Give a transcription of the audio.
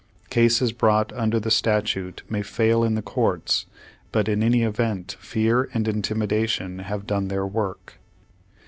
Cases brought under the statute may fail in the courts, but in any event fear and intimidation have done their work.